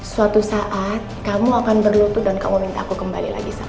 suatu saat kamu akan berlutuh dan kamu minta aku kembali lagi sama